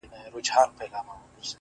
د ښایستونو خدایه سر ټيټول تاته نه وه-